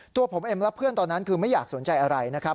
ตัวผมเองและเพื่อนตอนนั้นคือไม่อยากสนใจอะไรนะครับ